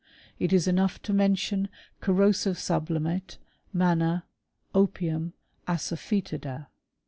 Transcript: It is enough to mention corrosive sublimate, manna, opium, asa foetida.